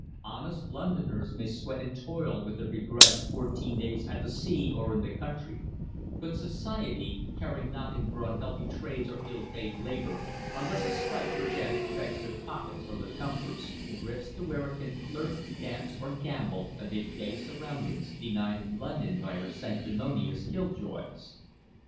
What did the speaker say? Honest Londoners may sweat and toil with their begrudged fourteen days at the sea or in the country, but Society, caring nothing for unhealthy trades or ill paid labour, unless a strike perchance affects their pockets or their comforts, drifts to where it can flirt, dance or gamble amid gay surroundings denied in London by our sanctimonious kill joys.